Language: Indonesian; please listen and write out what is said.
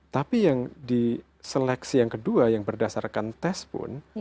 tapi yang di seleksi yang kedua yang berdasarkan tes pun